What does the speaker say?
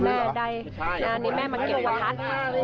แม่ได้งานนี้แม่มาเก็บประทัด